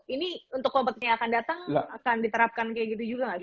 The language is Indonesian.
ini untuk kompetisi yang akan datang akan diterapkan kayak gitu juga nggak sih